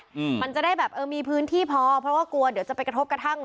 อืมมันจะได้แบบเออมีพื้นที่พอเพราะว่ากลัวเดี๋ยวจะไปกระทบกระทั่ง